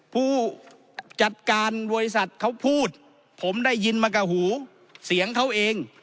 ผู้จัดการบริษัทเขาพูดผมได้ยินมากับหูเสียงเขาเอง